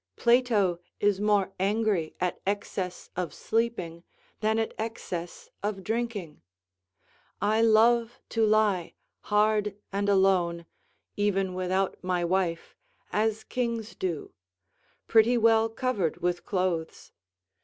Plato is more angry at excess of sleeping than at excess of drinking. I love to lie hard and alone, even without my wife, as kings do; pretty well covered with clothes.